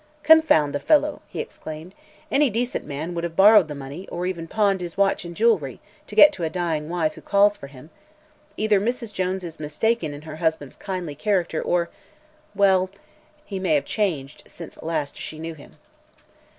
"Confound the fellow!" he exclaimed. "Any decent man would have borrowed the money, or even pawned his watch and jewelry, to get to a dying wife who calls for him. Either Mrs. Jones is mistaken in her husband's kindly character or well, he may have changed since last she knew him."